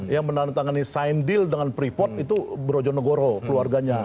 yang menantangani sign deal dengan pripot itu brojonegoro keluarganya